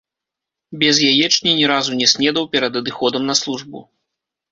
Без яечні ні разу не снедаў перад адыходам на службу.